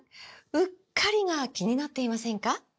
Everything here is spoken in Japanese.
“うっかり”が気になっていませんか？